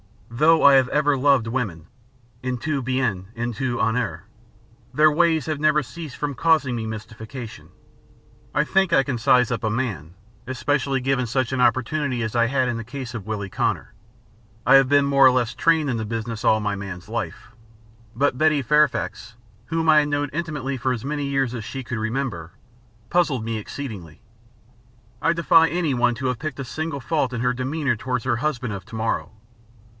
Though I have ever loved women, en tout bien et tout honneur, their ways have never ceased from causing me mystification. I think I can size up a man, especially given such an opportunity as I had in the case of Willie Connor I have been more or less trained in the business all my man's life; but Betty Fairfax, whom I had known intimately for as many years as she could remember, puzzled me exceedingly. I defy anyone to have picked a single fault in her demeanour towards her husband of to morrow.